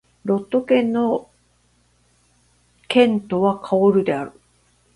ロット県の県都はカオールである